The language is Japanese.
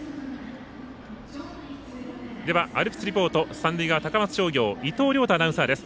ではアルプスリポート三塁側、高松商業伊藤亮太アナウンサーです。